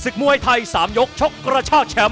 มวยไทย๓ยกชกกระชากแชมป์